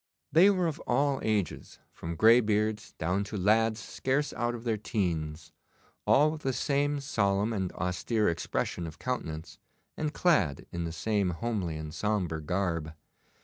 They were of all ages, from greybeards down to lads scarce out of their teens, all with the same solemn and austere expression of countenance, and clad in the same homely and sombre garb.